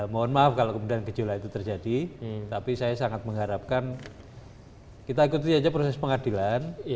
mohon maaf kalau kemudian gejolak itu terjadi tapi saya sangat mengharapkan kita ikuti aja proses pengadilan